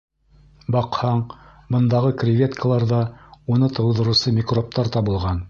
Баҡһаң, бындағы креветкаларҙа уны тыуҙырыусы микробтар табылған.